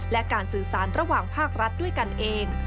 และการสื่อสารระหว่างภาครัฐด้วยกันเอง